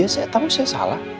saya tau saya salah